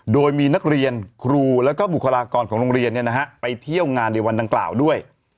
โดยมีนักเรียนครูแล้วก็บุคลากรของโรงเรียนไปเที่ยวงานในวันดังกล่าวด้วย